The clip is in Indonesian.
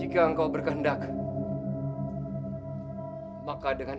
ya allah berikanlah hambamu ini jalan